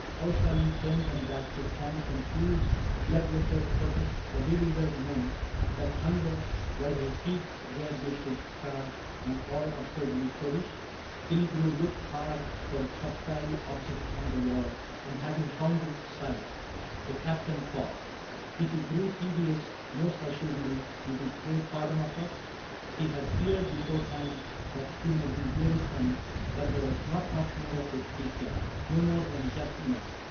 How shall he turn them back to scan some huge Blood lettered protest of bewildered men That hunger while he feeds where they should starve And all absurdly perish ?" Killigrew Looked hard for a subtile object on the wall^ CAPTAIN CRAIG 67 And, having found it, sighed. The Captain paused : If he grew tedious, most assuredly Did he crave pardon of us ; he had feared Beforehand that he might be wearisome, But there was not much more of it, he said, — No more than just enough.